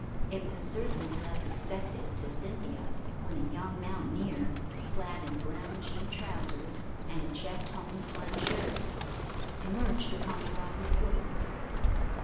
It was certainly less unexpected to Cynthia when a young mountaineer, clad in brown jean trousers and a checked homespun shirt, emerged upon the rocky slope.